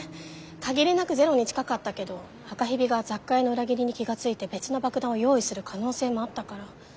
限りなくゼロに近かったけど赤蛇が雑貨屋の裏切りに気が付いて別の爆弾を用意する可能性もあったから。